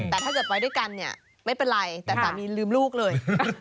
แต่ถ้าเกิดไปด้วยกันเนี่ยไม่เป็นไรแต่สามีลืมลูกเลย